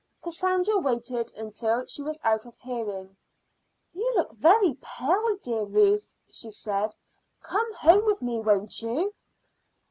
Cassandra waited until she was out of hearing. "You look very pale, dear Ruth," she said. "Come home with me, won't you?"